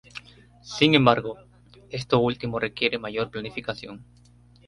Sin embargo esto último requiere mayor planificación.